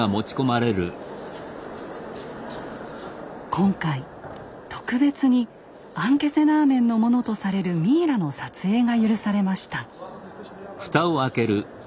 今回特別にアンケセナーメンのものとされるミイラの撮影が許されました。